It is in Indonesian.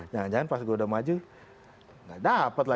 jangan jangan pas gua udah maju nggak dapat lagi